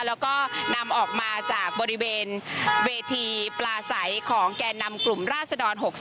แล้วก็นำออกมาจากบริเวณเวทีปลาใสของแก่นำกลุ่มราศดร๖๓